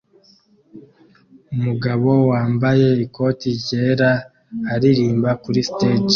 Umugabo wambaye ikoti ryera aririmba kuri stage